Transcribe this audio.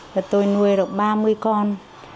và tôi nuôi được ba mươi con